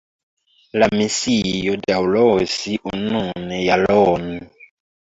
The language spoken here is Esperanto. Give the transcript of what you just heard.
La misio daŭros unun jaron.